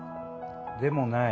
でもない。